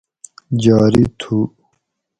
جاری تُھو